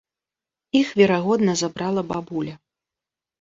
Іх верагодна забрала бабуля.